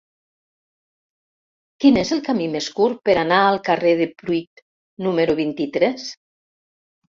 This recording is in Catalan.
Quin és el camí més curt per anar al carrer de Pruit número vint-i-tres?